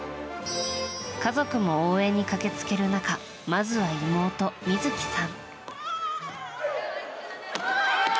家族も応援に駆け付ける中まずは妹・美月さん。